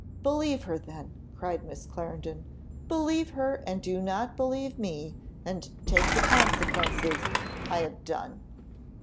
"Believe her then!" cried Miss Clarendon; "believe her, and do not believe me, and take the consequences: I have done."